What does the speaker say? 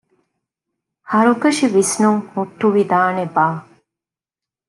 ހަރުކަށި ވިސްނުން ހުއްޓުވިދާނެ ބާ؟